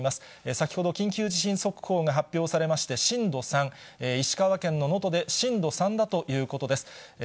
先ほど緊急地震速報が発表されまして震度３、石川県の能登で震度３だということです。